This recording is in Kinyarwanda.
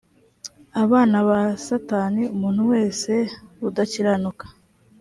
abana ba satani umuntu wese udakiranuka